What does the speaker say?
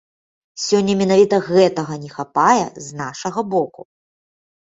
Сёння менавіта гэтага не хапае з нашага боку.